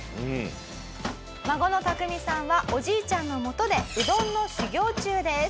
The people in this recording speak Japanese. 孫のタクミさんはおじいちゃんのもとでうどんの修業中です。